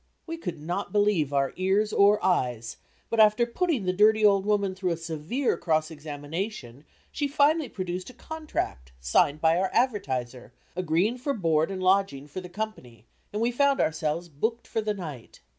We could not believe our ears or eyes; but after putting the dirty old woman through a severe cross examination she finally produced a contract, signed by our advertiser, agreeing for board and lodging for the company and we found ourselves booked for the night.